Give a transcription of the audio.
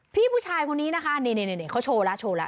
พี่ผู้ชายคนนี้นะคะเน่เขาโชว์ล่ะโชว์ล่ะ